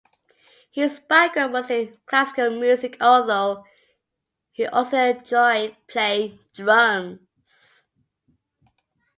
His background was in classical music although he also enjoyed playing drums.